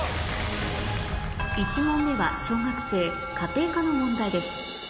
１問目は小学生家庭科の問題です